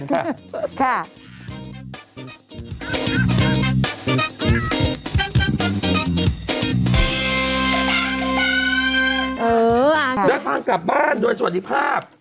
เดินทางกลับบ้านโดยสวัสดีภาพ